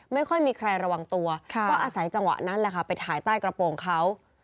ไม่ค่อยมีใครระวังตัวก็อาศัยจังหวะนั้นแหละค่ะไปถ่ายใต้กระโปรงเขา